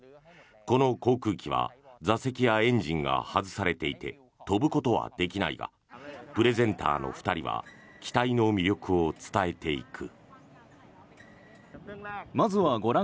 この航空機は座席やエンジンが外されていて飛ぶことはできないがプレゼンターの２人は機体の魅力を伝えていく。